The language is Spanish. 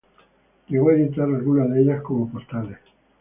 Llegó a editar algunas de ellas como postales.